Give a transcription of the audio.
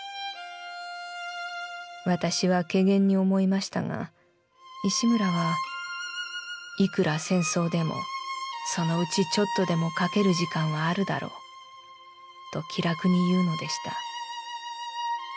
私は怪訝に思いましたが石村は『いくら戦争でもそのうち一寸でも描ける時間はあるだろう』と気楽にいうのでした。